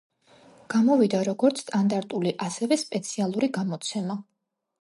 გამოვიდა როგორც სტანდარტული, ასევე სპეციალური გამოცემა.